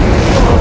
aku sudah menang